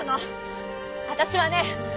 私はね